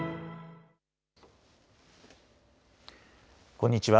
こんにちは。